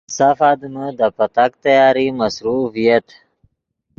سف آدمے دے پتاک تیاری مصروف ڤییت